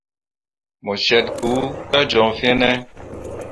Mo syet kpu kah joŋ fene ?